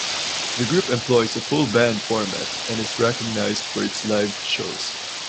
The group employs a "full band" format and is recognised for its live shows.